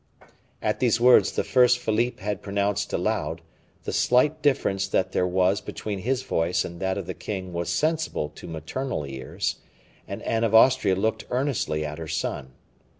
At these words, the first Philippe had pronounced aloud, the slight difference that there was between his voice and that of the king was sensible to maternal ears, and Anne of Austria looked earnestly at her son.